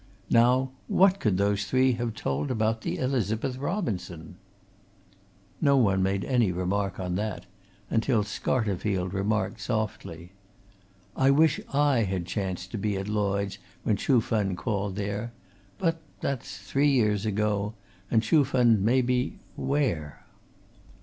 Now what could those three have told about the Elizabeth Robinson?" No one made any remark on that, until Scarterfield remarked softly: "I wish I had chanced to be at Lloyds when Chuh Fen called there! But that's three years ago, and Chuh Fen may be where?"